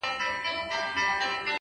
حقیقت ورو خو قوي څرګندېږي.!